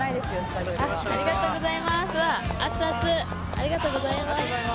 ありがとうございます。